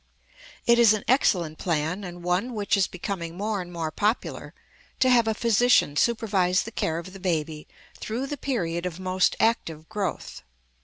It is an excellent plan, and one which is becoming more and more popular, to have a physician supervise the care of the baby through the period of most active growth.